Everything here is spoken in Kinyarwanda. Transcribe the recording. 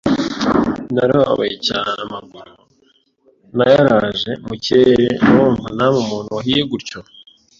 Narababaye cyane, amaguru nayaraje mu kirere murumva namwe umuntu wahiye gutyo;